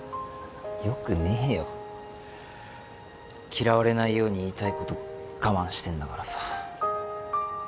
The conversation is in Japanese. よくねえよ嫌われないように言いたいこと我慢してんだからさ